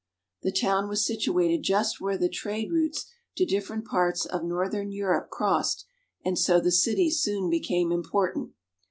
The town was situated just where the trade routes to different parts of northern Europe crossed, and so the city soon became important.